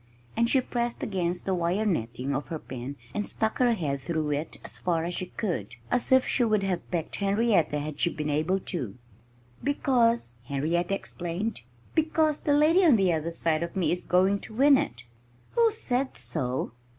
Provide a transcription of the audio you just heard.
And she pressed against the wire netting of her pen and stuck her head through it as far as she could, as if she would have pecked Henrietta had she been able to. "Because " Henrietta explained "because the lady on the other side of me is going to win it." "Who said so?"